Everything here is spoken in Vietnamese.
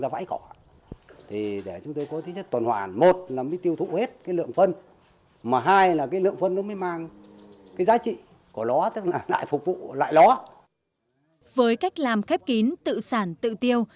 với cách làm khép kín tự sản tự tiêu